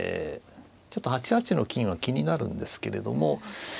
ちょっと８八の金は気になるんですけれども。